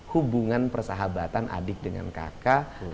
hubungan persahabatan adik dengan kakak